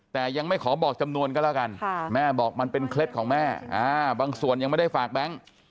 แต่ยังไม่ขอบอกจำนวนก็แล้วกันแม่บอกมันเป็นเคล็ดของแม่บางส่วนยังไม่ได้ฝากแบงค์